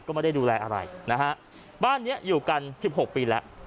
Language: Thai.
ก็ไม่ได้ดูแลอะไรนะฮะบ้านเนี้ยอยู่กันสิบหกปีแล้ว